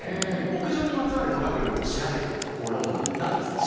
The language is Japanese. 屋上にまつわるトラブルを調べたところなんとですね